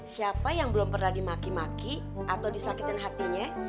siapa yang belum pernah dimaki maki atau disakitin hatinya